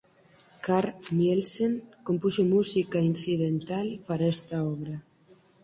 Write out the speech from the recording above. Carl Nielsen compuxo música incidental para esta obra.